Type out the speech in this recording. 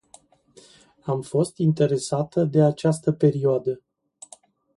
Am fost interesată de această perioadă.